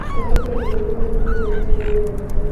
کتونکو ته د دوبۍ د نیمې پېړۍ ژوند ورښيي.